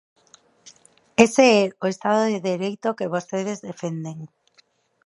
Ese é o Estado de dereito que vostedes defenden.